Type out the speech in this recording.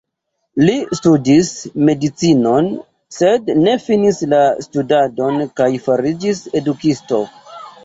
Li studis medicinon, sed ne finis la studadon kaj fariĝis edukisto.